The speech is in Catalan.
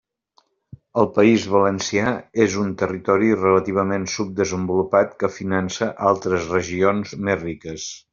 El País Valencià és un territori relativament subdesenvolupat que finança altres regions més riques.